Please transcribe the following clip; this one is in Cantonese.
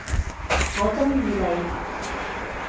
我中意你！